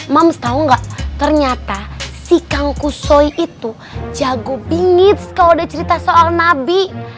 mams tau gak ternyata si kang kusoy itu jago bingits kalau udah cerita soal nabi